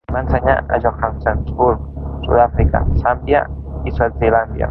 Va ensenyar a Johannesburg, Sud-àfrica, Zàmbia, Swazilàndia.